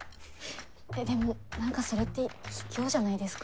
えっでもなんかそれって卑怯じゃないですか？